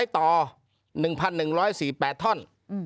๗๐๐ต่อ๑๑๔๘ท่อน